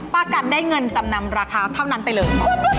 ป้ากันได้เงินจำนำราคาเท่านั้นไปเลย